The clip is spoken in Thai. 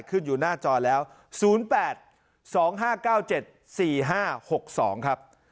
ขึ้นอยู่หน้าจอแล้วศูนย์แปดสองห้าเก้าเจ็ดสี่ห้าหกสองครับ